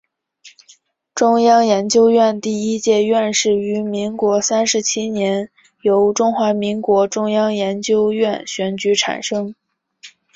中央研究院第一届院士于民国三十七年由中华民国中央研究院选举产生。